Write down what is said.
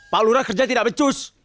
pak lurah kerja tidak becus